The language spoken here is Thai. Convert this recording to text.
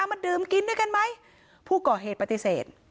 มาดื่มกินด้วยกันไหมผู้ก่อเหตุปฏิเสธ